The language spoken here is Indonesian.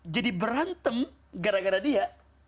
jadi berantem gara gara dia